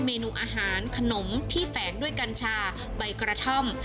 เมนูอาหารขนมที่แฝงด้วยกัญชาใบกระท่อม